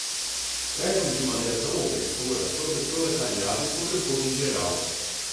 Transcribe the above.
pesam de maneira tão opressora sobre o proletariado e sobre o povo em geral